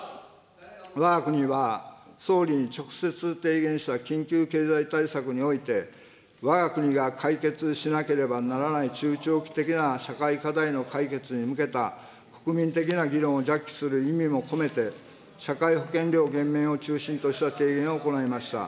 わが国は総理に直接提言した緊急経済対策において、わが国が解決しなければならない中長期的な社会課題の解決に向けた国民的な議論をじゃっ起する意味も込めて、社会保険料減免を中心とした提言を行いました。